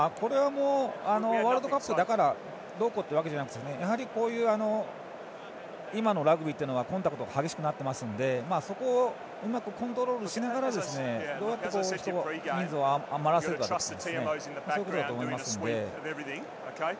ワールドカップだからどうこうというわけじゃなくてやはり、今のラグビーというのはコンタクトが激しくなっていますのでそこをうまくコントロールしながらどうやって人数を余らせるかだと思いますので。